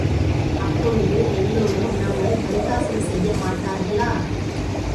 அப்பொழுது எல்லோரும் நம்மைப் பரிகாசம் செய்ய மாட்டார்களா?